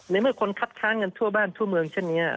เมื่อคนคัดค้านกันทั่วบ้านทั่วเมืองเช่นนี้